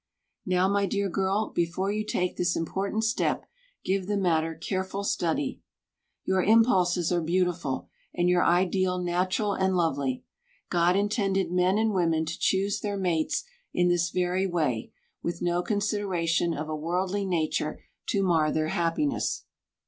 Now, my dear girl, before you take this important step, give the matter careful study. Your impulses are beautiful, and your ideal natural and lovely. God intended men and women to choose their mates in this very way, with no consideration of a worldly nature to mar their happiness.